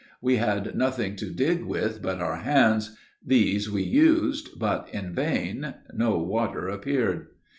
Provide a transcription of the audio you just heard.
We had nothing to dig with but our hands; these we used, but in vain; no water appeared.